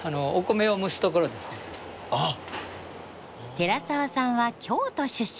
寺澤さんは京都出身。